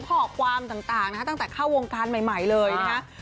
ข้อความต่างนะฮะตั้งแต่เข้าวงการใหม่เลยนะฮะ